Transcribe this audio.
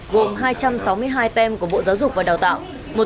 gồm hai trăm sáu mươi hai tem của bộ giáo dục và đào tạo